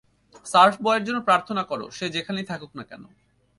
Surf boy এর জন্য প্রার্থনা করো, সে যেখানেই থাকুক না কেন।